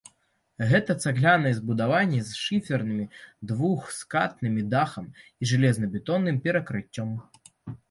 Гэта цагляныя збудаванні з шыферным двухскатным дахам і жалезабетонным перакрыццем.